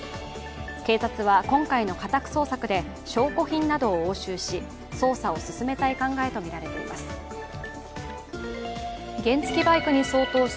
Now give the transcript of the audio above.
警察は今回の家宅捜索で証拠品などを押収し、捜査を進めたい考えとみられています。